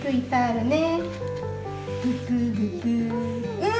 うん！